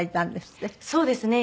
そうですね。